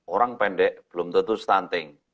orang pendek belum tentu stunting